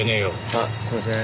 あっすいませーん。